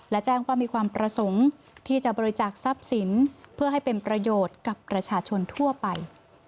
และแจ้งว่ามีความประสงค์ที่จะบริจาคทรัพย์สินเพื่อให้เป็นประโยชน์กับประชาชนทั่วไป